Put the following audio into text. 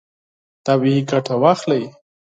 طبیعي ګټه واخلئ.